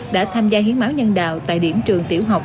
đã tham gia hiến máu nhân đạo tại điểm trường tiểu học